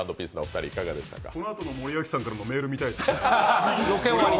このあとの森脇さんのメール見たいですね。